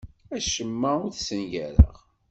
Acemma ur t-ssengareɣ.